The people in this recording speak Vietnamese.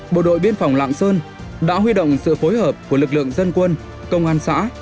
bộ đội biên phòng lạng sơn đã huy động sự phối hợp của lực lượng dân quân công an xã